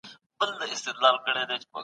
ملي هنداره یو ارزښتمن کتاب دی.